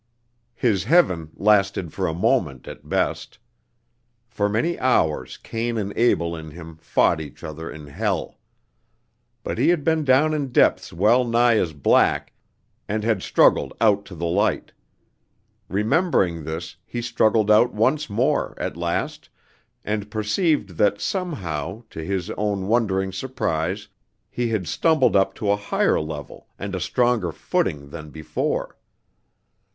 His heaven lasted for a moment at best. For many hours Cain and Abel in him fought each other in hell. But he had been down in depths well nigh as black, and had struggled out to the light. Remembering this, he struggled out once more, at last, and perceived that, somehow, to his own wondering surprise, he had stumbled up to a higher level and a stronger footing than before.